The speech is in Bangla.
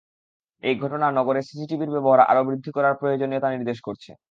এই ঘটনা নগরে সিসিটিভির ব্যবহার আরও বৃদ্ধি করার প্রয়োজনীয়তা নির্দেশ করছে।